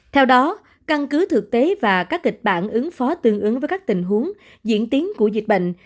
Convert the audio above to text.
theo đó căn cứ thực tế và các kịch bản ứng phó tương ứng với các tình huống diễn tiến của dịch bệnh